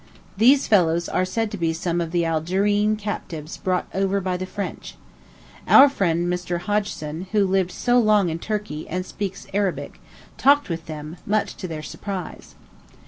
These fellows are said to be some of the Algerine captives brought over by the French. Our friend Mr. Hodgson, who lived so long in Turkey, and speaks Arabic, talked with them, much to their surprise.